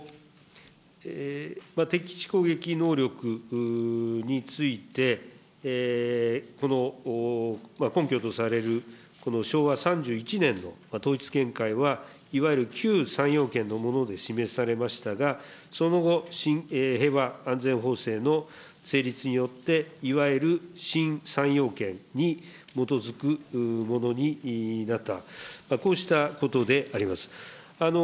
敵基地攻撃能力について、この根拠とされるこの昭和３１年の統一見解は、いわゆる旧３要件のもので示されましたが、その後、平和安全法制の成立によって、いわゆる新３要件に基づくものになった、こうしたことであります。